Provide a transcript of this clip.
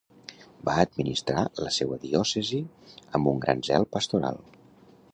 Va administrar la seua diòcesi amb un gran zel pastoral.